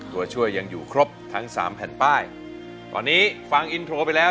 ตัวช่วยยังอยู่ครบทั้งสามแผ่นป้ายตอนนี้ฟังอินโทรไปแล้ว